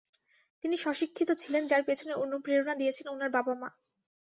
তিনি স্ব-শিক্ষিত ছিলেন যার পেছনে অনুপ্রেরণা দিয়েছেন উনার বাবা-মা।